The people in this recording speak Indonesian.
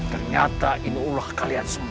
ternyata inulah kalian semua